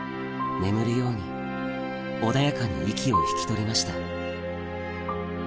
眠るように穏やかに息を引き取りました